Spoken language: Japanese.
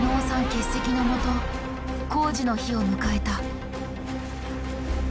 欠席のもと工事の日を迎えた。